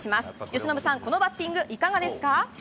由伸さん、このバッティング、いかがですか。